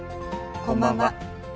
こんばんは。